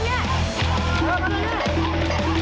โอ้โฮโอ้โฮโอ้โฮ